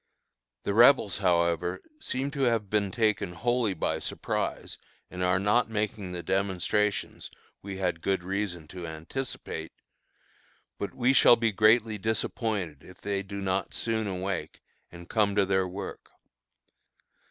The Rebels, however, seem to have been taken wholly by surprise and are not making the demonstrations we had good reason to anticipate; but we shall be greatly disappointed if they do not soon awake, and come to their work.